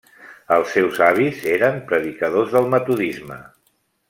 Els seus avis eren predicadors del Metodisme.